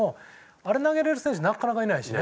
あれ投げられる選手なかなかいないしね。